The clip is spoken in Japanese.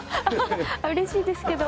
うれしいですけど。